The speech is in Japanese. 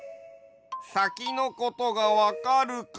さきのことがわかるか。